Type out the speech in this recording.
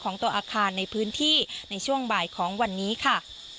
ตัวอาคารในพื้นที่ในช่วงบ่ายของวันนี้ค่ะ